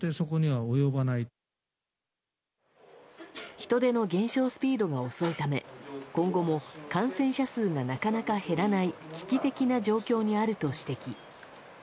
人出の減少スピードが遅いため今後も感染者数がなかなか減らない危機的な状況にあると指摘。